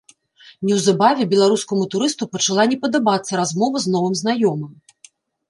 Неўзабаве беларускаму турысту пачала не падабацца размова з новым знаёмым.